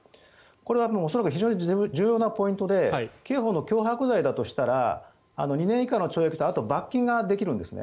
これは非常に重要なポイントで刑法の脅迫罪だとしたら２年以下の懲役とあと、罰金ができるんですね。